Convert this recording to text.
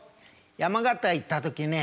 山形行った時ね